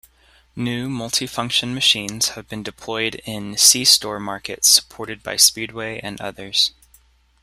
New multi-function machines have been deployed in "c-store" markets supported by Speedway and others.